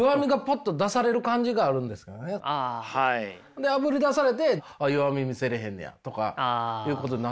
であぶり出されてあっ弱み見せれへんねやとかいうことになってくると思うんすけどね。